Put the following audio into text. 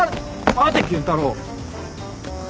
待て健太郎。